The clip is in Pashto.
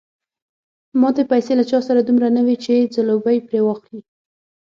ماتې پیسې له چا سره دومره نه وې چې ځلوبۍ پرې واخلي.